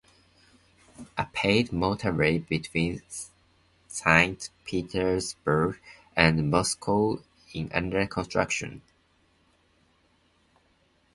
A paid motorway between Saint Petersburg and Moscow in under construction.